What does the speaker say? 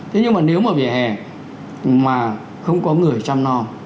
thế nhưng mà nếu mà vỉa hè mà không có người chăm non